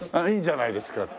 「いいんじゃないですか」